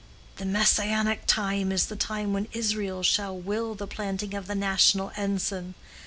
The Messianic time is the time when Israel shall will the planting of the national ensign.